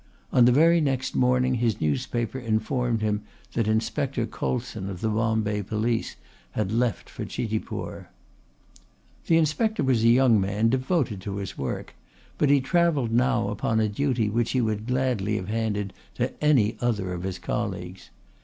On the very next morning his newspaper informed him that Inspector Coulson of the Bombay Police had left for Chitipur. The Inspector was a young man devoted to his work, but he travelled now upon a duty which he would gladly have handed to any other of his colleagues.